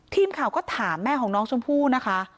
ทีมข่าวก็ถามแม่ของน้องชมพู่นะคะ